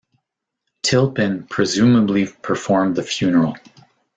Tilpin presumably performed the funeral.